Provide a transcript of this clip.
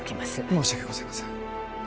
申し訳ございません